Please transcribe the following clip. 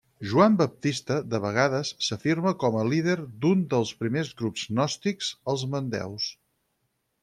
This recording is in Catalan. Joan Baptista de vegades s'afirma com a líder d'un dels primers grups gnòstics els mandeus.